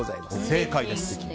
正解です。